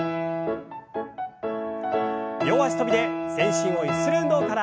両脚跳びで全身をゆする運動から。